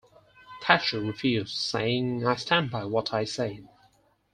Thatcher refused, saying I stand by what I said.